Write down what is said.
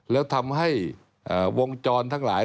แล้วทำให้วงจรทั้งหลาย